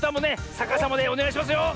さかさまでおねがいしますよ。